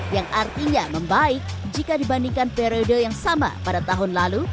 yang artinya membaik jika dibandingkan periode yang sama pada tahun lalu